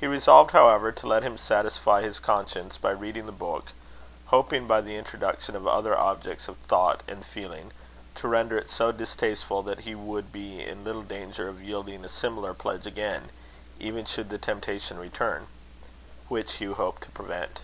He resolved, however, to let him satisfy his conscience by reading the book; hoping, by the introduction of other objects of thought and feeling, to render it so distasteful, that he would be in little danger of yielding a similar pledge again, even should the temptation return, which Hugh hoped to prevent.